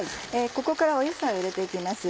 ここから野菜を入れて行きます。